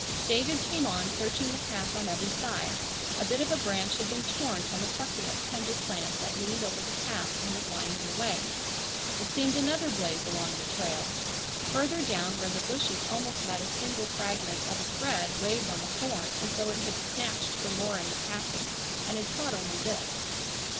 David came on searching the path on every side. A bit of a branch had been torn from a succulent, tender plant that leaned over the path and was lying in the way. It seemed another blaze along the trail. Further down where the bushes almost met a single fragment of a thread waved on a thorn as though it had snatched for more in the passing and had caught only this.